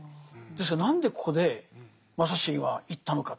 ですから何でここで正成は行ったのか。